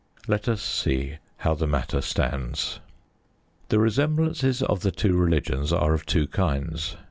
Let us see how the matter stands. The resemblances of the two religions are of two kinds.